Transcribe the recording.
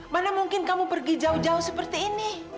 mana mungkin kamu pergi jauh jauh seperti ini